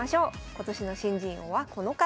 今年の新人王はこの方。